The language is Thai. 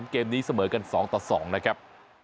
เกมนี้เสมอกัน๒ต่อ๒นะครับ